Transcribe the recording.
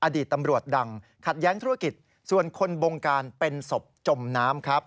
อดีตตำรวจดังขัดแย้งธุรกิจส่วนคนบงการเป็นศพจมน้ำครับ